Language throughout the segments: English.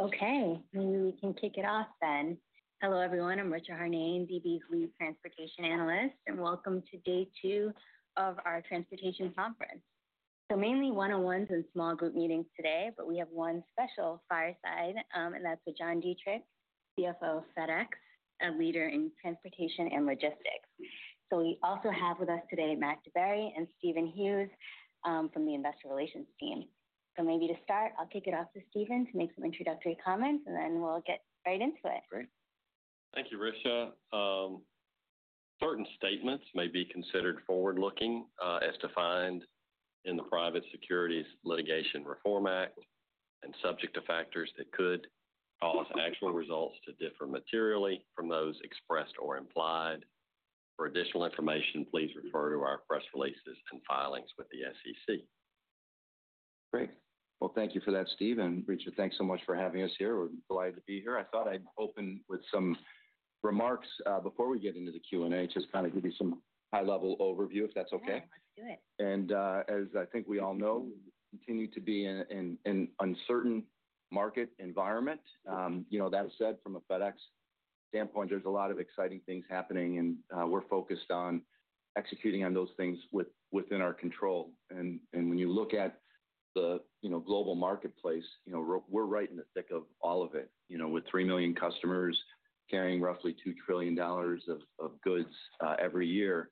Okay, maybe we can kick it off then. Hello, everyone. I'm Richa Harnain, DB's lead transportation analyst, and welcome to day two of our Transportation Conference. Mainly one-on-ones and small group meetings today, but we have one special fireside, and that's with John Dietrich, CFO of FedEx, a leader in transportation and logistics. We also have with us today Matt DeBerry and Stephen Hughes from the Investor Relations team. Maybe to start, I'll kick it off to Stephen to make some introductory comments, and then we'll get right into it. Great. Thank you, Richa. Certain statements may be considered forward-looking as defined in the Private Securities Litigation Reform Act and subject to factors that could cause actual results to differ materially from those expressed or implied. For additional information, please refer to our press releases and filings with the SEC. Great. Thank you for that, Steve, and Richa, thanks so much for having us here. We're glad to be here. I thought I'd open with some remarks before we get into the Q&A, just kind of give you some high-level overview if that's okay. Let's do it. As I think we all know, we continue to be in an uncertain market environment. That said, from a FedEx standpoint, there's a lot of exciting things happening, and we're focused on executing on those things within our control. When you look at the global marketplace, we're right in the thick of all of it, with 3 million customers carrying roughly $2 trillion of goods every year.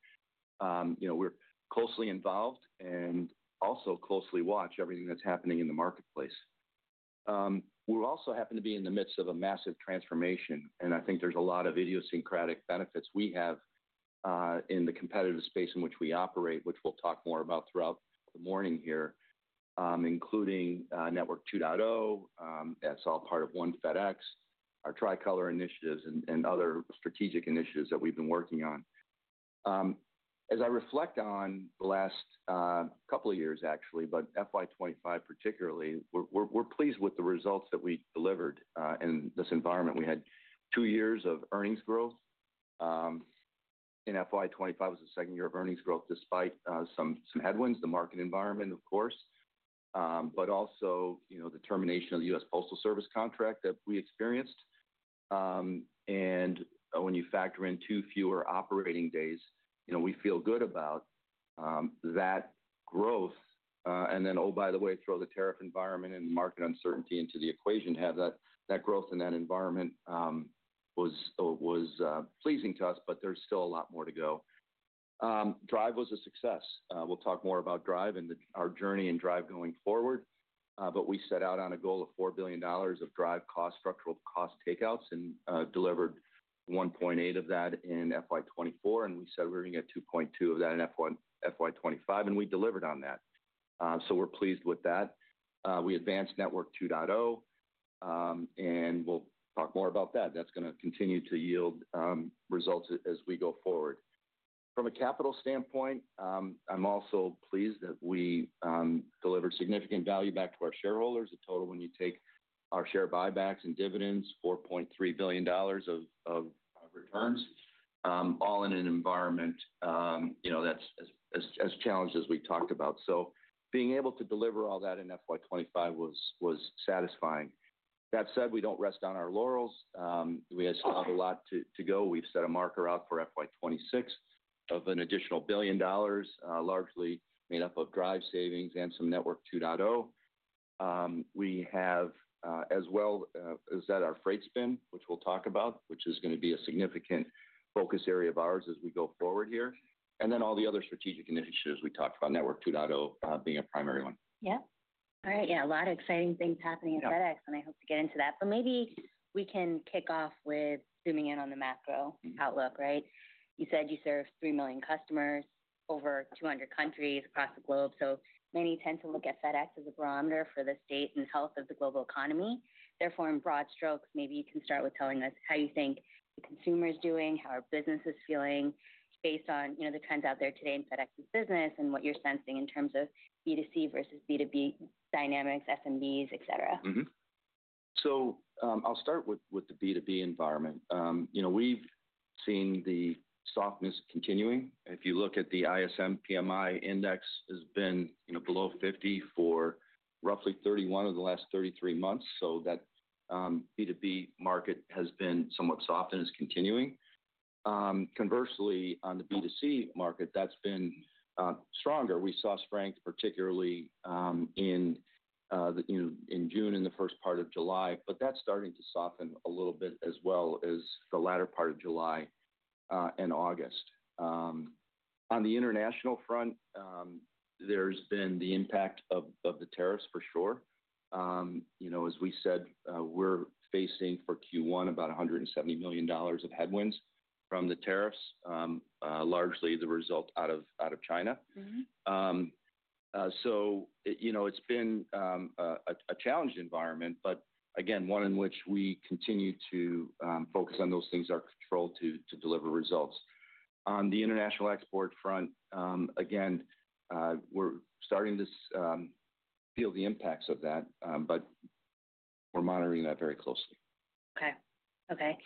We're closely involved and also closely watch everything that's happening in the marketplace. We also happen to be in the midst of a massive transformation, and I think there's a lot of idiosyncratic benefits we have in the competitive space in which we operate, which we'll talk more about throughout the morning here, including Network 2.0. That's all part of One FedEx, our Tricolor initiatives, and other strategic initiatives that we've been working on. As I reflect on the last couple of years, actually, but FY 2025 particularly, we're pleased with the results that we delivered in this environment. We had two years of earnings growth, and FY 2025 was the second year of earnings growth despite some headwinds, the market environment, of course, but also the termination of the U.S. Postal Service contract that we experienced. When you factor in two fewer operating days, we feel good about that growth. By the way, throw the tariff environment and market uncertainty into the equation. Having that growth in that environment was pleasing to us, but there's still a lot more to go. DRIVE was a success. We'll talk more about DRIVE and our journey in DRIVE going forward. We set out on a goal of $4 billion of DRIVE structural cost takeouts and delivered $1.8 billion of that in FY 2024, and we said we were going to get $2.2 billion of that in FY 2025, and we delivered on that. We're pleased with that. We advanced Network 2.0, and we'll talk more about that. That's going to continue to yield results as we go forward. From a capital standpoint, I'm also pleased that we delivered significant value back to our shareholders, a total when you take our share buybacks and dividends, $4.3 billion of returns, all in an environment that's as challenged as we talked about. Being able to deliver all that in FY 2025 was satisfying. That said, we don't rest on our laurels. We still have a lot to go. We've set a marker out for FY 2026 of an additional $1 billion, largely made up of DRIVE savings and some Network 2.0. We have, as well, set our freight spin, which we'll talk about, which is going to be a significant focus area of ours as we go forward here. All the other strategic initiatives we talked about, Network 2.0 being a primary one. Yeah. All right. Yeah, a lot of exciting things happening at FedEx, and I hope to get into that. Maybe we can kick off with zooming in on the macro outlook, right? You said you serve 3 million customers, over 200 countries across the globe. Many tend to look at FedEx as a barometer for the state and health of the global economy. Therefore, in broad strokes, maybe you can start with telling us how you think consumers are doing, how our business is feeling based on, you know, the trends out there today in FedEx's business and what you're sensing in terms of B2C versus B2B dynamics, SMBs, et cetera. I'll start with the B2B environment. We've seen the softness continuing. If you look at the ISM PMI index, it's been below 50 for roughly 31 of the last 33 months. That B2B market has been somewhat soft and is continuing. Conversely, on the B2C market, that's been stronger. We saw strength, particularly in June, in the first part of July, but that's starting to soften a little bit as well as the latter part of July and August. On the international front, there's been the impact of the tariffs for sure. As we said, we're facing for Q1 about $170 million of headwinds from the tariffs, largely the result out of China. It's been a challenging environment, but again, one in which we continue to focus on those things that are controlled to deliver results. On the international export front, again, we're starting to feel the impacts of that, but we're monitoring that very closely. Okay.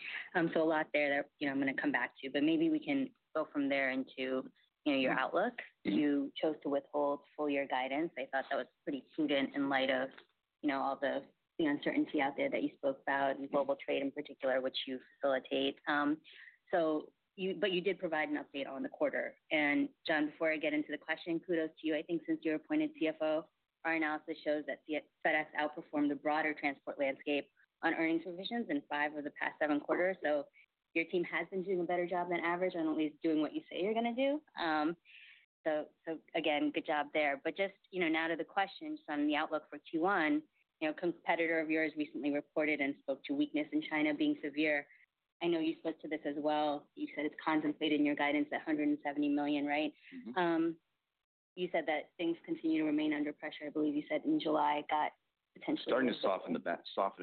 So a lot there that I'm going to come back to, but maybe we can go from there into your outlook. You chose to withhold full-year guidance. I thought that was pretty prudent in light of all the uncertainty out there that you spoke about and global trade in particular, which you facilitate. You did provide an update on the quarter. John, before I get into the question, kudos to you. I think since you were appointed CFO, our analysis shows that FedEx outperformed the broader transport landscape on earnings revisions in five of the past seven quarters. Your team has been doing a better job than average on at least doing what you say you're going to do. Again, good job there. Now to the questions on the outlook for Q1, a competitor of yours recently reported and spoke to weakness in China being severe. I know you spoke to this as well. You said it's contemplated in your guidance at $170 million, right? You said that things continue to remain under pressure. I believe you said in July got potentially. Starting to soften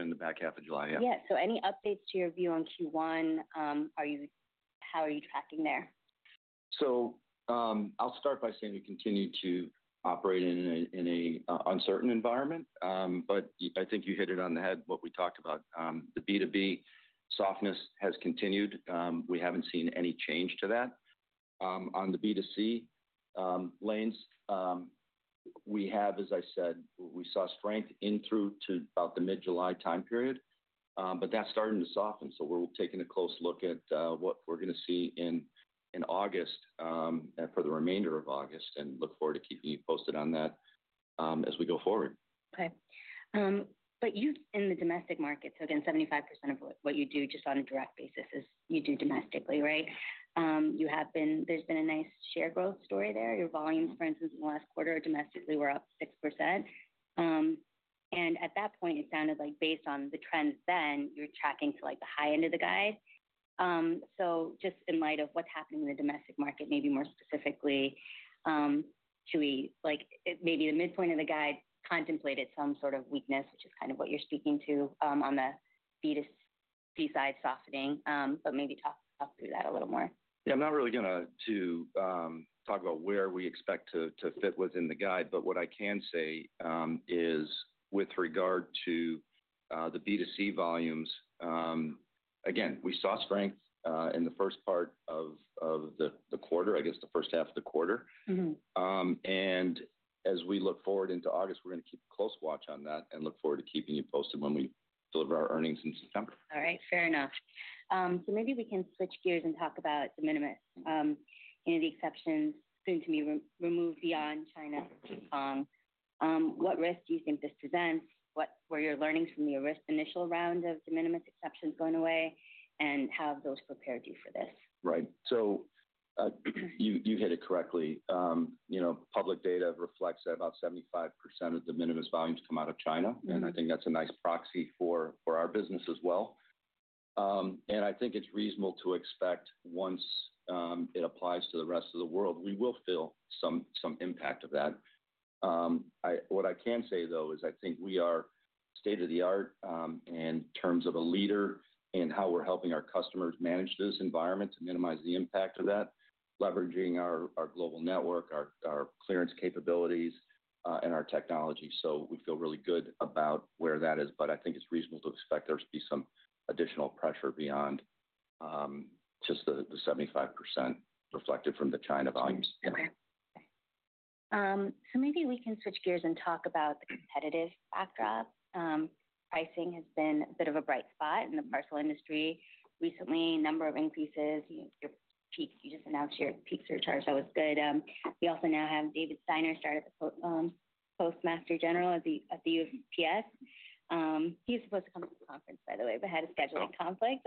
in the back half of July, yeah. Yeah. Any updates to your view on Q1? How are you tracking there? I will start by saying we continue to operate in an uncertain environment, but I think you hit it on the head, what we talked about. The B2B softness has continued. We haven't seen any change to that. On the B2C lanes, we have, as I said, we saw strength through to about the mid-July time period, but that's starting to soften. We are taking a close look at what we're going to see in August and for the remainder of August and look forward to keeping you posted on that as we go forward. Okay. In the domestic market, 75% of what you do just on a direct basis is you do domestically, right? There has been a nice share growth story there. Your volumes, for instance, in the last quarter domestically were up 6%. At that point, it sounded like based on the trends then, you're tracking to the high end of the guide. Just in light of what's happening in the domestic market, maybe more specifically, do we like maybe the midpoint of the guide contemplated some sort of weakness, which is kind of what you're speaking to on the B2C side softening, but maybe talk through that a little more. I'm not really going to talk about where we expect to fit what's in the guide, but what I can say is with regard to the B2C volumes, again, we saw strength in the first part of the quarter, I guess the first half of the quarter. As we look forward into August, we're going to keep a close watch on that and look forward to keeping you posted when we deliver our earnings in September. All right. Fair enough. Maybe we can switch gears and talk about de minimis and the exceptions soon to be removed beyond China, which is wrong. What risk do you think this presents? What were your learnings from the initial round of de minimis exceptions going away, and how have those prepared you for this? Right. You hit it correctly. Public data reflects that about 75% of de minimis volumes come out of China, and I think that's a nice proxy for our business as well. I think it's reasonable to expect once it applies to the rest of the world, we will feel some impact of that. What I can say, though, is I think we are state-of-the-art in terms of a leader in how we're helping our customers manage this environment to minimize the impact of that, leveraging our global network, our clearance capabilities, and our technology. We feel really good about where that is, but I think it's reasonable to expect there to be some additional pressure beyond just the 75% reflected from the China volumes. Okay. Maybe we can switch gears and talk about the competitive backdrop. Pricing has been a bit of a bright spot in the parcel industry recently, a number of increases. You just announced your peak surcharge. That was good. We also now have David Steiner started as the Postmaster General at the USPS. He was supposed to come to the conference, by the way, but had a scheduling conflict.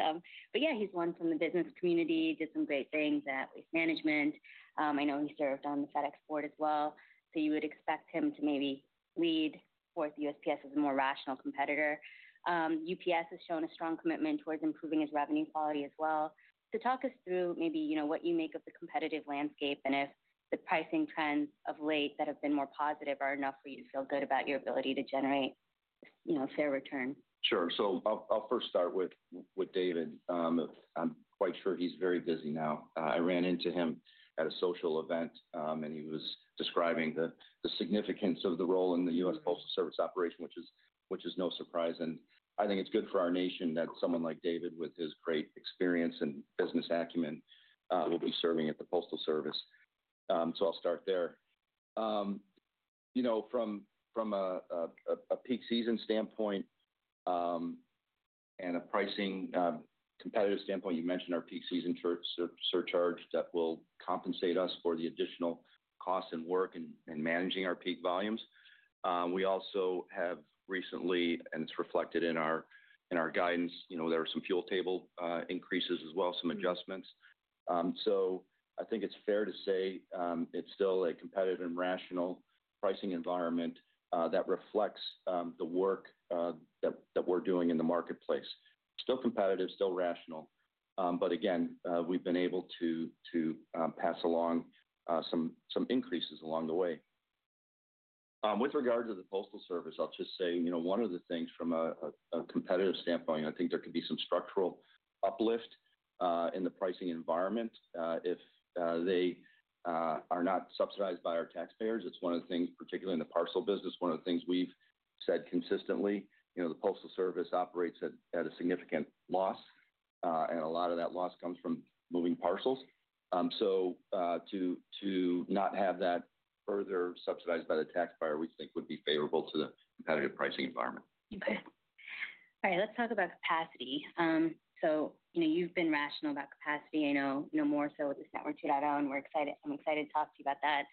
He's one from the business community, did some great things at Waste Management. I know he served on the FedEx board as well. You would expect him to maybe lead forth the USPS as a more rational competitor. UPS has shown a strong commitment towards improving its revenue quality as well. Talk us through maybe what you make of the competitive landscape and if the pricing trends of late that have been more positive are enough for you to feel good about your ability to generate a fair return. Sure. I'll first start with David. I'm quite sure he's very busy now. I ran into him at a social event and he was describing the significance of the role in the U.S. Postal Service operation, which is no surprise. I think it's good for our nation that someone like David, with his great experience and business acumen, will be serving at the Postal Service. I'll start there. You know, from a peak season standpoint and a pricing competitive standpoint, you mentioned our peak season surcharge that will compensate us for the additional costs and work in managing our peak volumes. We also have recently, and it's reflected in our guidance, there are some fuel table increases as well, some adjustments. I think it's fair to say it's still a competitive and rational pricing environment that reflects the work that we're doing in the marketplace. Still competitive, still rational. Again, we've been able to pass along some increases along the way. With regard to the Postal Service, I'll just say, one of the things from a competitive standpoint, I think there could be some structural uplift in the pricing environment if they are not subsidized by our taxpayers. It's one of the things, particularly in the parcel business, one of the things we've said consistently, the Postal Service operates at a significant loss, and a lot of that loss comes from moving parcels. To not have that further subsidized by the taxpayer, we think would be favorable to the competitive pricing environment. Okay. All right. Let's talk about capacity. You've been rational about capacity. I know, more so with this Network 2.0, and I'm excited to talk to you about that.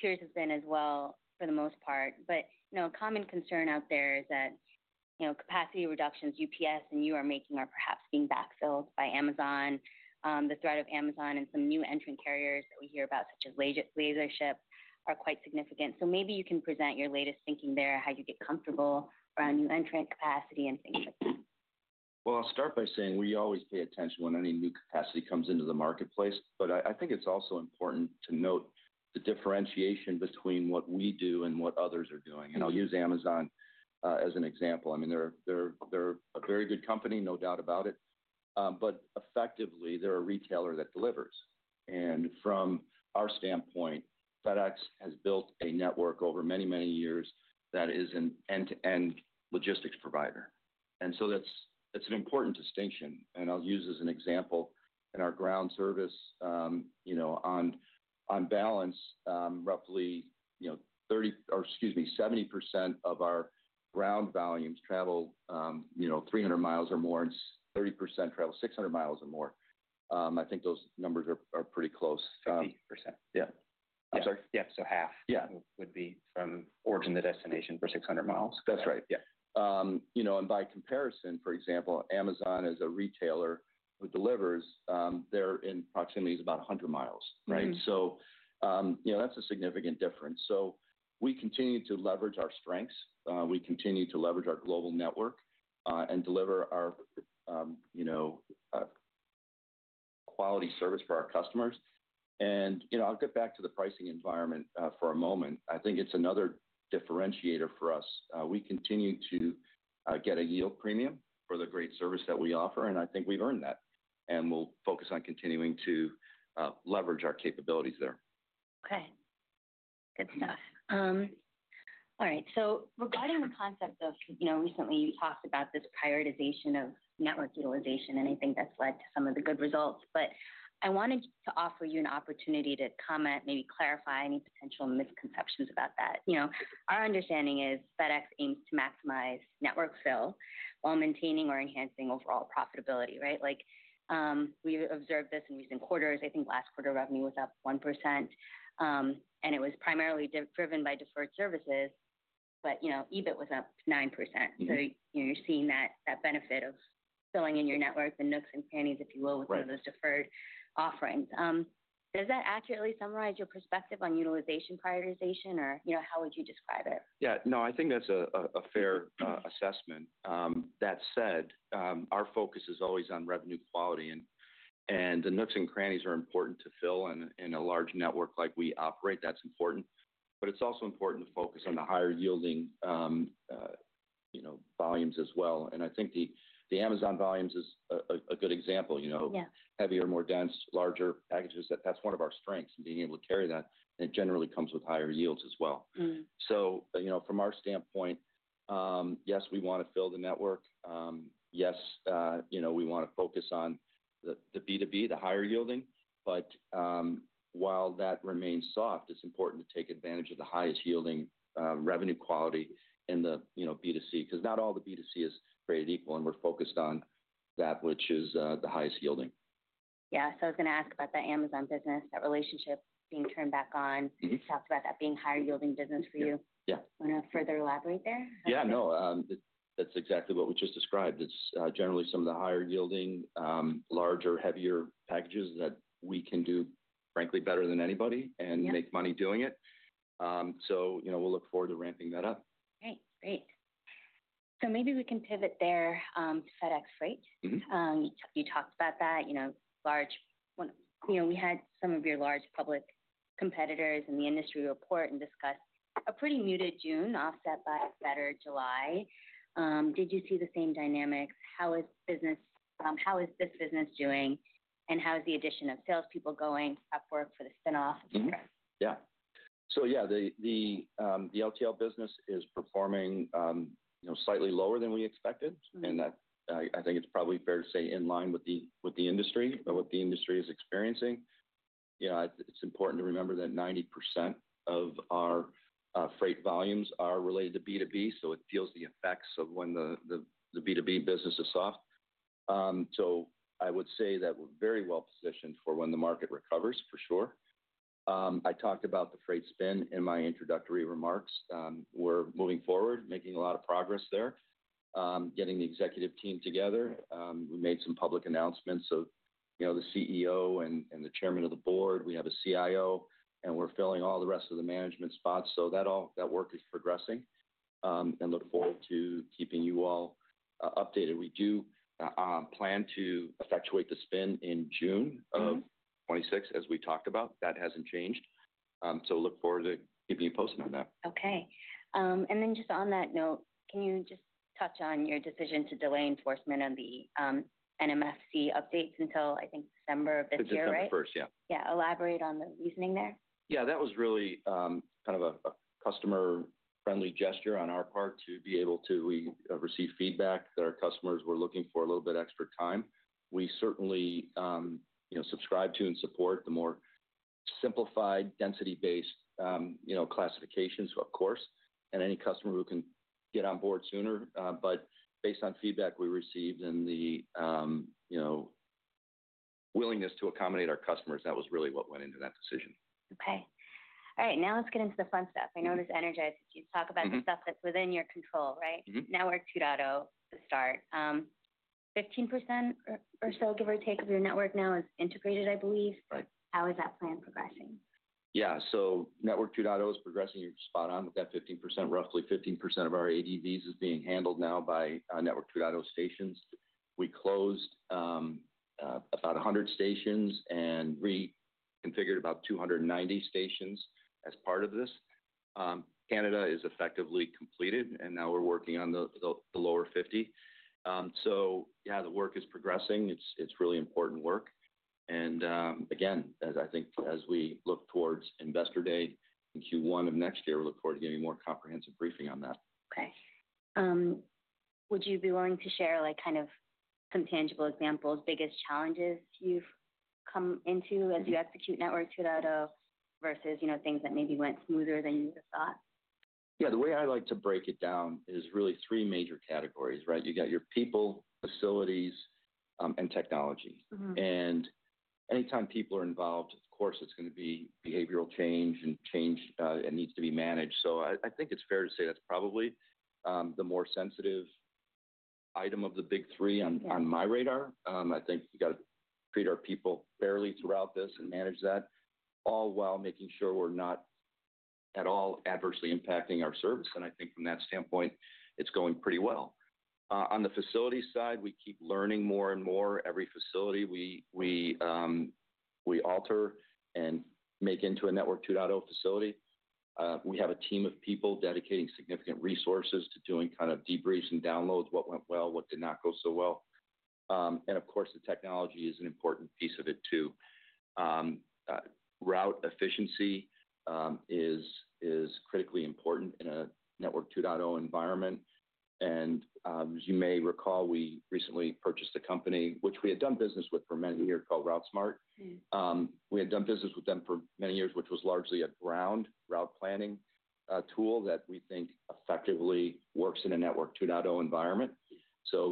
Peers have been as well for the most part. A common concern out there is that capacity reductions UPS and you are making are perhaps being backfilled by Amazon. The threat of Amazon and some new entrant carriers that we hear about, such as LaserShip, are quite significant. Maybe you can present your latest thinking there, how you get comfortable around new entrant capacity and things like that. I’ll start by saying we always pay attention when any new capacity comes into the marketplace, but I think it's also important to note the differentiation between what we do and what others are doing. I'll use Amazon as an example. I mean, they're a very good company, no doubt about it. Effectively, they're a retailer that delivers. From our standpoint, FedEx has built a network over many, many years that is an end-to-end logistics provider, so that's an important distinction. I'll use as an example, in our ground service, on balance, roughly 70% of our ground volumes travel 300 miles or more, and 30% travel 600 miles or more. I think those numbers are pretty close. 70%. Yeah. I'm sorry? Yeah, so half would be from origin to destination for 600 miles. That's right. You know, and by comparison, for example, Amazon is a retailer who delivers. Their proximity is about 100 miles, right? That's a significant difference. We continue to leverage our strengths. We continue to leverage our global network and deliver our quality service for our customers. I'll get back to the pricing environment for a moment. I think it's another differentiator for us. We continue to get a yield premium for the great service that we offer, and I think we've earned that. We'll focus on continuing to leverage our capabilities there. Okay. Good stuff. All right. Regarding the concept of, you know, recently you talked about this prioritization of network utilization, anything that's led to some of the good results. I wanted to offer you an opportunity to comment, maybe clarify any potential misconceptions about that. You know, our understanding is FedEx aims to maximize network fill while maintaining or enhancing overall profitability, right? Like, we've observed this in recent quarters. I think last quarter revenue was up 1%. It was primarily driven by deferred services. You know, EBIT was up 9%. You're seeing that benefit of filling in your network, the nooks and crannies, if you will, with some of those deferred offerings. Does that accurately summarize your perspective on utilization prioritization or, you know, how would you describe it? Yeah. No, I think that's a fair assessment. That said, our focus is always on revenue quality. The nooks and crannies are important to fill in a large network like we operate. That's important. It's also important to focus on the higher yielding, you know, volumes as well. I think the Amazon volumes is a good example, you know, heavier, more dense, larger packages. That's one of our strengths in being able to carry that. It generally comes with higher yields as well. From our standpoint, yes, we want to fill the network. Yes, you know, we want to focus on the B2B, the higher yielding. While that remains soft, it's important to take advantage of the highest yielding revenue quality in the B2C because not all the B2C is created equal. We're focused on that, which is the highest yielding. I was going to ask about that Amazon business, that relationship being turned back on. You talked about that being a higher yielding business for you. Yeah. Want to further elaborate there? Yeah. No, that's exactly what we just described. It's generally some of the higher-yielding, larger, heavier packages that we can do, frankly, better than anybody and make money doing it. We'll look forward to ramping that up. Great. Maybe we can pivot there. FedEx Freight, you talked about that. We had some of your large public competitors in the industry report and discussed a pretty muted June, offset by a better July. Did you see the same dynamics? How is business, how is this business doing? How is the addition of salespeople going up for the spin-off? Yeah. The LTL business is performing slightly lower than we expected. I think it's probably fair to say in line with what the industry is experiencing. It's important to remember that 90% of our freight volumes are related to B2B, so it feels the effects of when the B2B business is soft. I would say that we're very well positioned for when the market recovers for sure. I talked about the freight spin in my introductory remarks. We're moving forward, making a lot of progress there, getting the executive team together. We made some public announcements. The CEO and the Chairman of the Board, we have a CIO, and we're filling all the rest of the management spots. All that work is progressing. I look forward to keeping you all updated. We do plan to effectuate the spin in June of 2026, as we talked about. That hasn't changed. I look forward to keeping you posted on that. Okay. Can you just touch on your decision to delay enforcement on the NMFC updates until, I think, December of this year, right? December 1st, yeah. Yeah. Elaborate on the reasoning there. Yeah, that was really kind of a customer-friendly gesture on our part to be able to, we received feedback that our customers were looking for a little bit extra time. We certainly subscribe to and support the more simplified density-based classifications. Of course, any customer who can get on board sooner. Based on feedback we received and the willingness to accommodate our customers, that was really what went into that decision. Okay. All right. Now let's get into the fun stuff. I know this energizes you. Talk about the stuff that's within your control, right? Network 2.0 to start. 15% or so, give or take, of your network now is integrated, I believe. Right. How is that plan progressing? Yeah. Network 2.0 is progressing. You're spot on. We've got roughly 15% of our ADVs being handled now by Network 2.0 stations. We closed about 100 stations and reconfigured about 290 stations as part of this. Canada is effectively completed, and now we're working on the lower 50. The work is progressing. It's really important work. As we look towards investor day in Q1 of next year, we'll look forward to giving you a more comprehensive briefing on that. Okay. Would you be willing to share like kind of some tangible examples, biggest challenges you've come into as you execute Network 2.0 versus things that maybe went smoother than you would have thought? Yeah, the way I like to break it down is really three major categories, right? You've got your people, facilities, and technology. Anytime people are involved, of course, it's going to be behavioral change and change that needs to be managed. I think it's fair to say that's probably the more sensitive item of the big three on my radar. I think we've got to treat our people fairly throughout this and manage that all while making sure we're not at all adversely impacting our service. I think from that standpoint, it's going pretty well. On the facility side, we keep learning more and more. Every facility we alter and make into a Network 2.0 facility, we have a team of people dedicating significant resources to doing kind of debriefs and downloads, what went well, what did not go so well. The technology is an important piece of it too. Route efficiency is critically important in a Network 2.0 environment. As you may recall, we recently purchased a company, which we had done business with for many years, called RouteSmart. We had done business with them for many years, which was largely a ground route planning tool that we think effectively works in a Network 2.0 environment.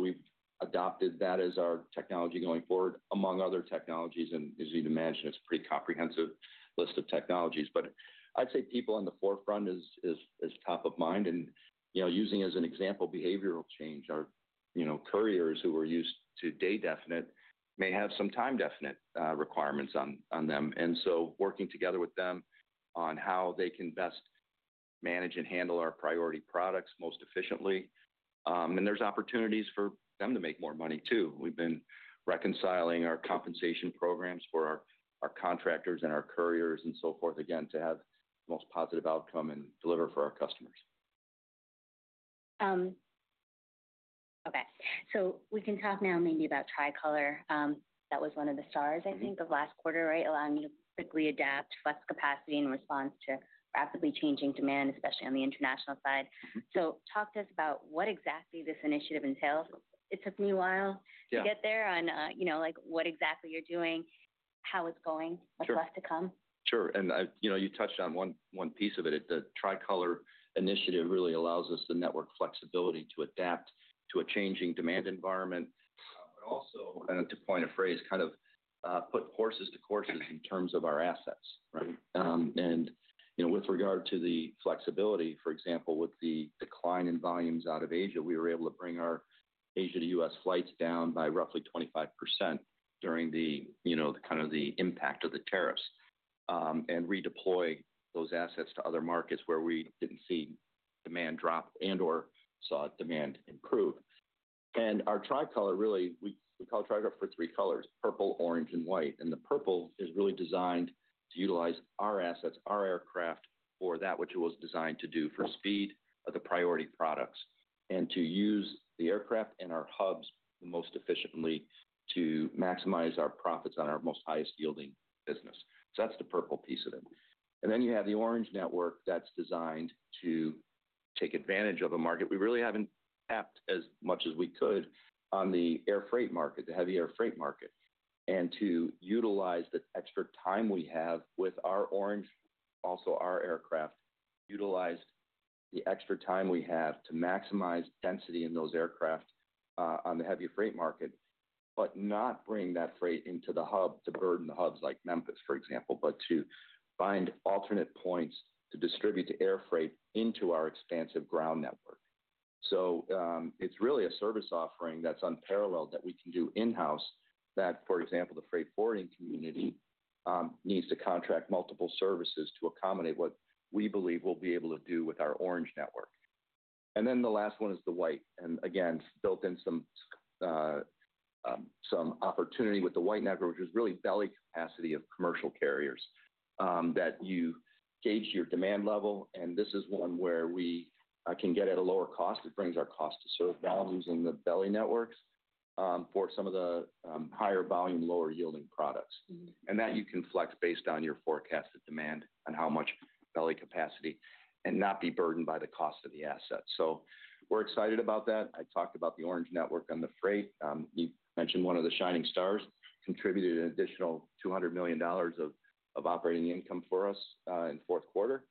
We've adopted that as our technology going forward, among other technologies. As you can imagine, it's a pretty comprehensive list of technologies. I'd say people on the forefront is top of mind. Using as an example, behavioral change, our couriers who were used to day definite may have some time definite requirements on them. Working together with them on how they can best manage and handle our priority products most efficiently. There's opportunities for them to make more money too. We've been reconciling our compensation programs for our contractors and our couriers and so forth, again, to have the most positive outcome and deliver for our customers. Okay. We can talk now maybe about Tricolor. That was one of the stars, I think, of last quarter, right? Allowing you to quickly adapt, flex capacity in response to rapidly changing demand, especially on the international side. Talk to us about what exactly this initiative entails. It took me a while to get there on what exactly you're doing, how it's going, what's left to come. Sure. You touched on one piece of it. The Tricolor initiative really allows us the network flexibility to adapt to a changing demand environment. Also, to coin a phrase, kind of put horses to courses in terms of our assets, right? With regard to the flexibility, for example, with the decline in volumes out of Asia, we were able to bring our Asia to U.S. flights down by roughly 25% during the impact of the tariffs. We redeployed those assets to other markets where we didn't see demand drop and/or saw demand improve. Our Tricolor really, we call Tricolor for three colors: purple, orange, and white. The purple is really designed to utilize our assets, our aircraft for that which it was designed to do for speed of the priority products, and to use the aircraft and our hubs the most efficiently to maximize our profits on our highest yielding business. That's the purple piece of it. Then you have the orange network that's designed to take advantage of a market we really haven't tapped as much as we could on the air freight market, the heavy air freight market, and to utilize the extra time we have with our orange, also our aircraft, utilize the extra time we have to maximize density in those aircraft on the heavy freight market, but not bring that freight into the hub to burden the hubs like Memphis, for example, but to find alternate points to distribute the air freight into our expansive ground network. It's really a service offering that's unparalleled that we can do in-house that, for example, the freight forwarding community needs to contract multiple services to accommodate what we believe we'll be able to do with our orange network. The last one is the white. It's built in some opportunity with the white network, which is really belly capacity of commercial carriers that you gauge your demand level. This is one where we can get at a lower cost. It brings our cost to serve volumes in the belly networks for some of the higher volume, lower yielding products. You can flex based on your forecasted demand and how much belly capacity and not be burdened by the cost of the assets. We're excited about that. I talked about the orange network on the freight. You mentioned one of the shining stars contributed an additional $200 million of operating income for us in the fourth quarter.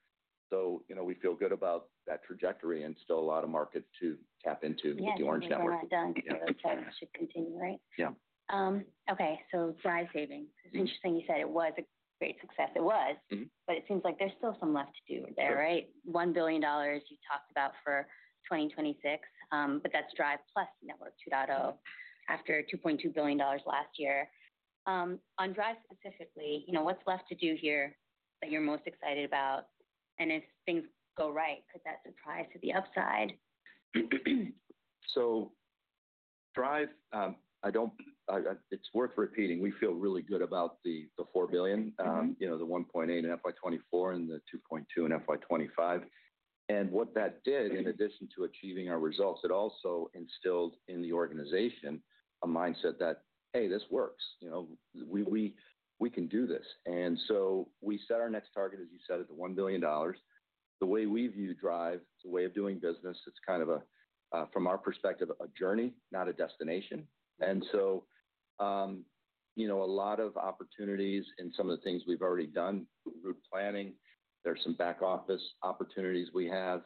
We feel good about that trajectory and still a lot of markets to tap into with the orange network. Yeah, we're not done. That's how it should continue, right? Yeah. DRIVE savings. It's interesting you said it was a great success. It was, but it seems like there's still some left to do there, right? $1 billion you talked about for 2026, but that's DRIVE plus Network 2.0 after $2.2 billion last year. On DRIVE specifically, you know, what's left to do here that you're most excited about? If things go right, could that surprise to the upside? DRIVE, I don't, it's worth repeating, we feel really good about the $4 billion, you know, the $1.8 billion in FY 2024 and the $2.2 billion in FY 2025. What that did in addition to achieving our results, it also instilled in the organization a mindset that, hey, this works. You know, we can do this. We set our next target, as you said, at the $1 billion. The way we view DRIVE, the way of doing business, it's kind of a, from our perspective, a journey, not a destination. You know, a lot of opportunities in some of the things we've already done, route planning, there's some back office opportunities we have.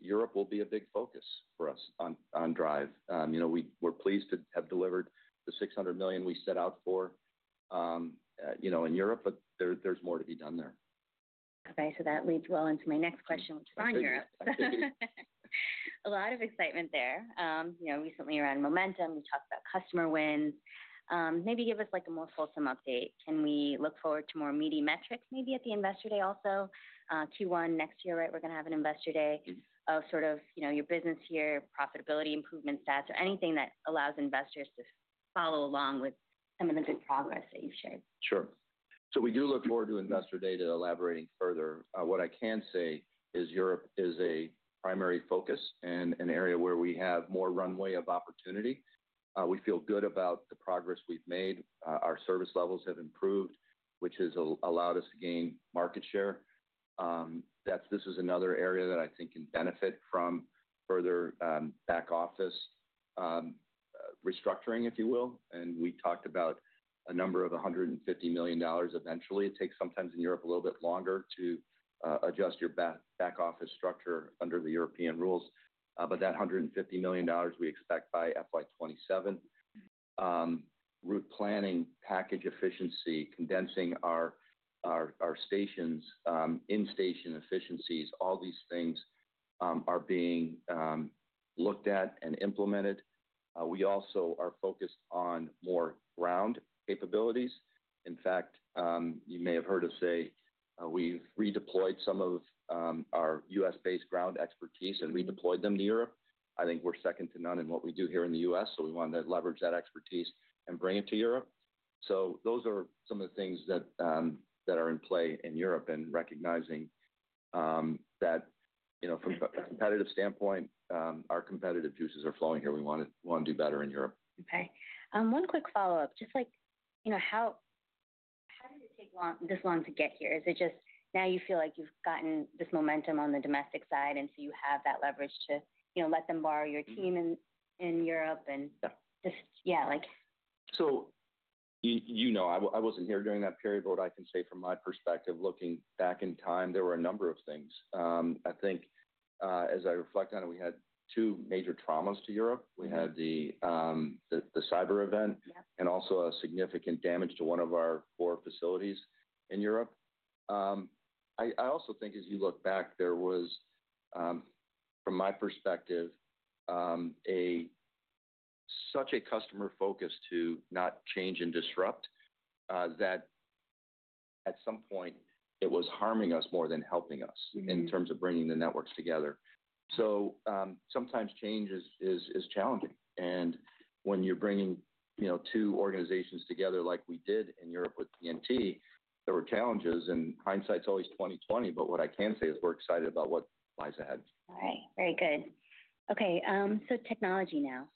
Europe will be a big focus for us on Drive. You know, we're pleased to have delivered the $600 million we set out for, you know, in Europe, but there's more to be done there. Okay. That leads well into my next question, which is on Europe. A lot of excitement there. You know, recently around momentum, you talked about customer wins. Maybe give us a more fulsome update. We look forward to more meaty metrics maybe at the Investor Day also. Q1 next year, right? We're going to have an Investor Day of sort of, you know, your business here, profitability improvement stats, or anything that allows investors to follow along with some of the good progress that you've shared. Sure. We do look forward to Investor Day to elaborating further. What I can say is Europe is a primary focus and an area where we have more runway of opportunity. We feel good about the progress we've made. Our service levels have improved, which has allowed us to gain market share. This is another area that I think can benefit from further back office restructuring, if you will. We talked about a number of $150 million eventually. It takes sometimes in Europe a little bit longer to adjust your back office structure under the European rules. That $150 million we expect by FY 2027. Route planning, package efficiency, condensing our stations, in-station efficiencies, all these things are being looked at and implemented. We also are focused on more ground capabilities. In fact, you may have heard us say we've redeployed some of our U.S.-based ground expertise and redeployed them to Europe. I think we're second to none in what we do here in the U.S. We want to leverage that expertise and bring it to Europe. Those are some of the things that are in play in Europe and recognizing that, you know, from a competitive standpoint, our competitive juices are flowing here. We want to do better in Europe. Okay. One quick follow-up. How did it take this long to get here? Is it just now you feel like you've gotten this momentum on the domestic side and so you have that leverage to let them borrow your team in Europe? I wasn't here during that period, but what I can say from my perspective, looking back in time, there were a number of things. I think, as I reflect on it, we had two major traumas to Europe. We had the cyber event and also a significant damage to one of our core facilities in Europe. I also think, as you look back, there was, from my perspective, such a customer focus to not change and disrupt that at some point it was harming us more than helping us in terms of bringing the networks together. Sometimes change is challenging. When you're bringing two organizations together like we did in Europe with TNT, there were challenges. Hindsight's always 20/20, but what I can say is we're excited about what lies ahead. All right. Very good. Okay. Technology now.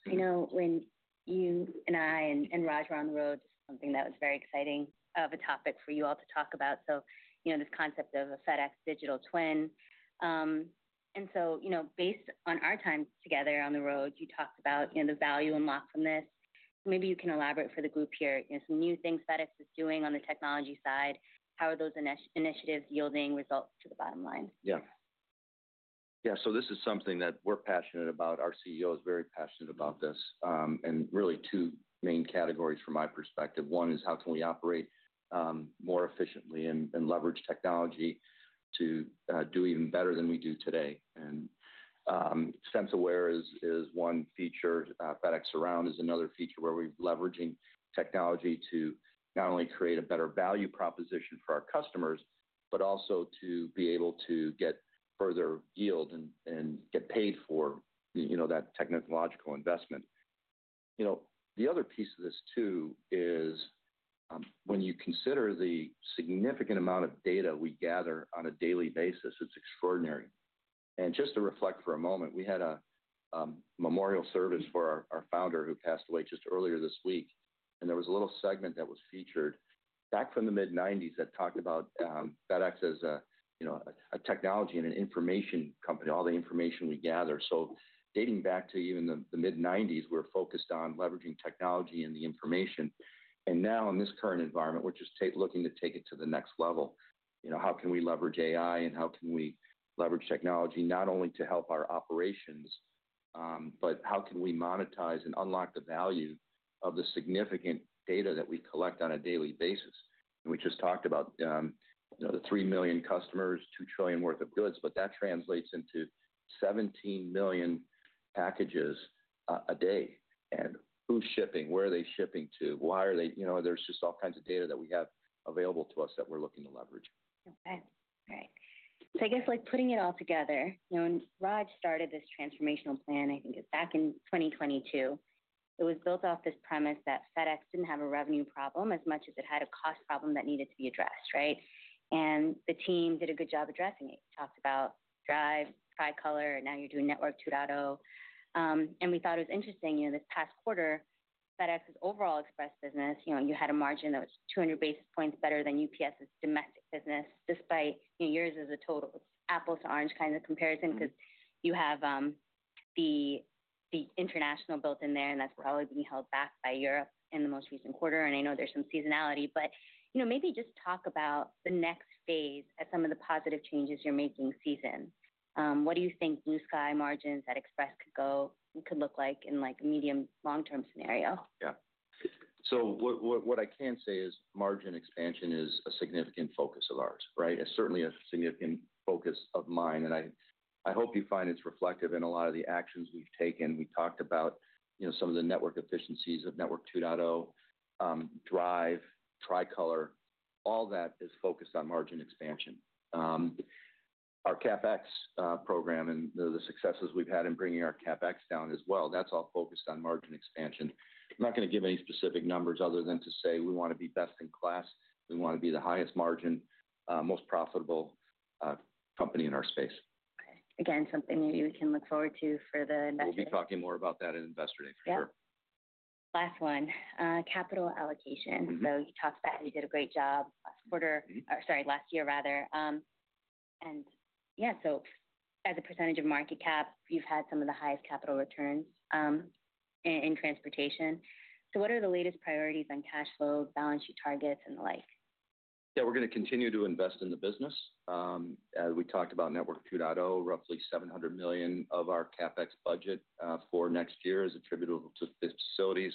When you and I and Raj were on the road, something that was very exciting of a topic for you all to talk about. This concept of a FedEx digital twin. Based on our time together on the road, you talked about the value unlocked from this. Maybe you can elaborate for the group here, some new things FedEx is doing on the technology side. How are those initiatives yielding results to the bottom line? Yeah. Yeah. This is something that we're passionate about. Our CEO is very passionate about this. Really, two main categories from my perspective. One is how can we operate more efficiently and leverage technology to do even better than we do today. SenseAware is one feature. FedEx Surround is another feature where we're leveraging technology to not only create a better value proposition for our customers, but also to be able to get further yield and get paid for that technological investment. The other piece of this too is when you consider the significant amount of data we gather on a daily basis, it's extraordinary. Just to reflect for a moment, we had a memorial service for our founder who passed away just earlier this week. There was a little segment that was featured back from the mid-1990s that talked about FedEx as a technology and an information company, all the information we gather. Dating back to even the mid-1990s, we're focused on leveraging technology and the information. Now in this current environment, we're just looking to take it to the next level. How can we leverage AI and how can we leverage technology not only to help our operations, but how can we monetize and unlock the value of the significant data that we collect on a daily basis? We just talked about the 3 million customers, $2 trillion worth of goods, but that translates into 17 million packages a day. Who's shipping? Where are they shipping to? Why are they, you know, there's just all kinds of data that we have available to us that we're looking to leverage. Okay. All right. I guess like putting it all together, you know, and Raj started this transformational plan, I think it was back in 2022. It was built off this premise that FedEx didn't have a revenue problem as much as it had a cost problem that needed to be addressed, right? The team did a good job addressing it. You talked about DRIVE, Tricolor, and now you're doing Network 2.0. We thought it was interesting, you know, this past quarter, FedEx's overall express business, you had a margin that was 200 basis points better than UPS's domestic business, despite yours is a total apples to oranges kind of comparison because you have the international built in there, and that's probably being held back by Europe in the most recent quarter. I know there's some seasonality, but maybe just talk about the next phase at some of the positive changes you're making this season. What do you think BlueSky margins at Express could go and could look like in like a medium long-term scenario? Yeah. What I can say is margin expansion is a significant focus of ours, right? It's certainly a significant focus of mine, and I hope you find it's reflective in a lot of the actions we've taken. We talked about, you know, some of the network efficiencies of Network 2.0, DRIVE, Tricolor, all that is focused on margin expansion. Our CapEx program and the successes we've had in bringing our CapEx down as well, that's all focused on margin expansion. I'm not going to give any specific numbers other than to say we want to be best in class. We want to be the highest margin, most profitable company in our space. Okay, again, something maybe we can look forward to for the investors. will be talking more about that at Investor Day, for sure. Yeah. Last one, capital allocation. You talked about how you did a great job last quarter, or sorry, last year rather. As a percentage of market cap, you've had some of the highest capital returns in transportation. What are the latest priorities on cash flow, balance sheet targets, and the like? Yeah, we're going to continue to invest in the business. As we talked about Network 2.0, roughly $700 million of our CapEx budget for next year is attributable to the facilities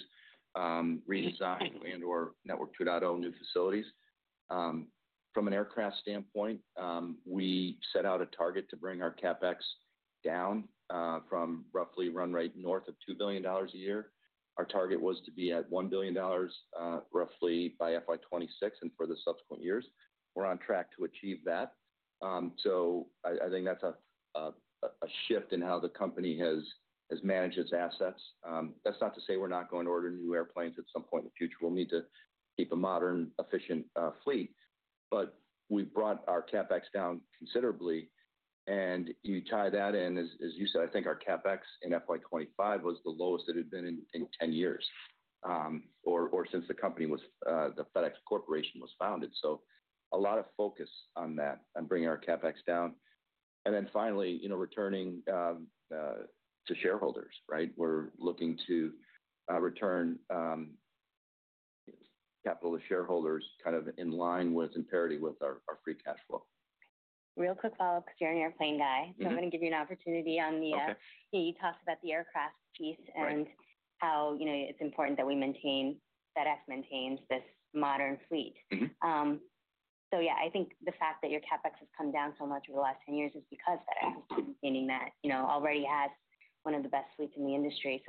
redesign and/or Network 2.0 new facilities. From an aircraft standpoint, we set out a target to bring our CapEx down from roughly run right north of $2 billion a year. Our target was to be at $1 billion roughly by FY 2026 and for the subsequent years. We're on track to achieve that. I think that's a shift in how the company has managed its assets. That's not to say we're not going to order new airplanes at some point in the future. We'll need to keep a modern, efficient fleet. We've brought our CapEx down considerably. You tie that in, as you said, I think our CapEx in FY 2025 was the lowest it had been in 10 years, or since the company, FedEx Corporation, was founded. A lot of focus on that, on bringing our CapEx down. Finally, you know, returning to shareholders, right? We're looking to return capital to shareholders kind of in line with and parity with our free cash flow. Real quick follow-up because you're an airplane guy. I'm going to give you an opportunity on the, you talked about the aircraft piece and how it's important that we maintain, FedEx maintains this modern fleet. I think the fact that your CapEx has come down so much over the last 10 years is because FedEx is maintaining that, already has one of the best fleets in the industry.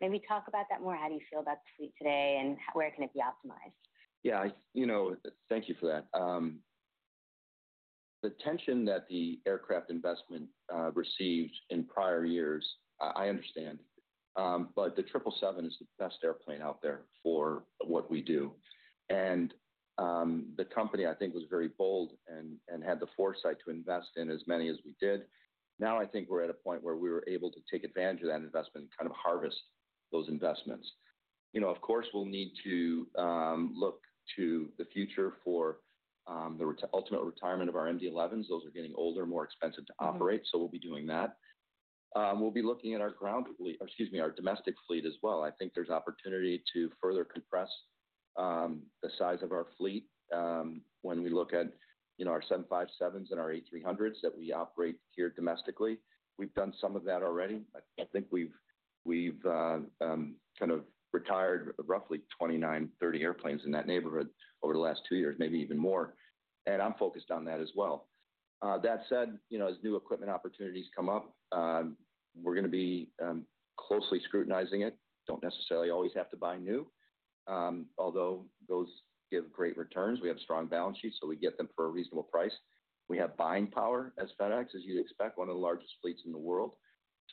Maybe talk about that more. How do you feel about the fleet today and where can it be optimized? Thank you for that. The attention that the aircraft investment received in prior years, I understand, but the 777 is the best airplane out there for what we do. The company, I think, was very bold and had the foresight to invest in as many as we did. Now I think we're at a point where we were able to take advantage of that investment and kind of harvest those investments. Of course, we'll need to look to the future for the ultimate retirement of our MD-11s. Those are getting older, more expensive to operate. We'll be doing that. We'll be looking at our ground, or excuse me, our domestic fleet as well. I think there's opportunity to further compress the size of our fleet when we look at our 757s and our A300s that we operate here domestically. We've done some of that already. I think we've kind of retired roughly 29, 30 airplanes in that neighborhood over the last two years, maybe even more. I'm focused on that as well. That said, as new equipment opportunities come up, we're going to be closely scrutinizing it. Don't necessarily always have to buy new, although those give great returns. We have strong balance sheets, so we get them for a reasonable price. We have buying power as FedEx, as you'd expect, one of the largest fleets in the world.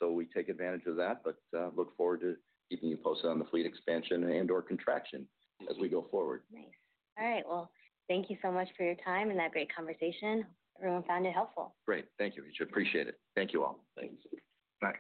We take advantage of that, but look forward to keeping you posted on the fleet expansion and/or contraction as we go forward. Nice. All right. Thank you so much for your time and that great conversation. Everyone found it helpful. Great. Thank you. We appreciate it. Thank you all. Thanks. Bye.